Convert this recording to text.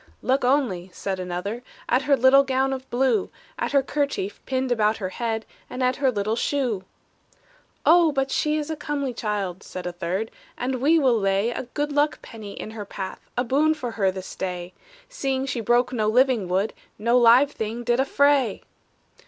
"Look only," said another, "At her little gown of blue; At her kerchief pinned about her head, And at her little shoe!" "Oh, but she is a comely child," Said a third; "and we will lay A good luck penny in her path, A boon for her this day, Seeing she broke no living wood; No live thing did affray!"